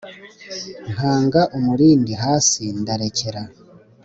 nkanga umurindi hasi ndarekera